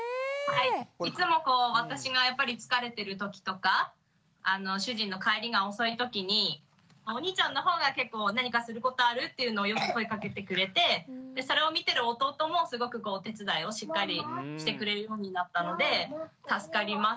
いつもこう私がやっぱり疲れてる時とか主人の帰りが遅い時にお兄ちゃんのほうが結構何かすることある？っていうのをよく声かけてくれてそれを見てる弟もすごくこうお手伝いをしっかりしてくれるようになったので助かります。